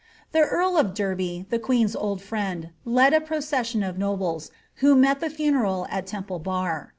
'' The earl of Derby, the queen's old friend, led a procession of nobles, who met the funeral at Temple bar.